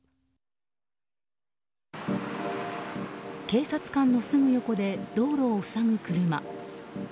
警察官のすぐ横で道路を塞ぐ車。